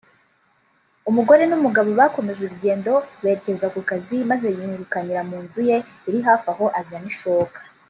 umugore n’umugabo bakomeje urugendo berekeza ku kazi maze yirukankira mu nzu ye iri hafi aho azana ishoka